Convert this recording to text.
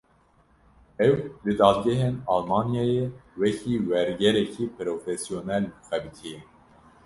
Ew, li dadgehên Almanyayê, wekî wergêrekî profesyonel xebitiye